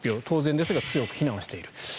当然ですが強く非難をしている。